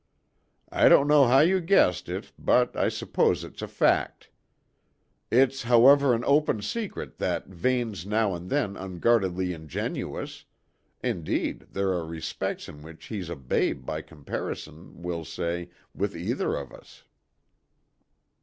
"I don't know how you guessed it, but I suppose it's a fact. It's, however, an open secret that Vane's now and then unguardedly ingenuous; indeed, there are respects in which he's a babe by comparison, we'll say, with either of us."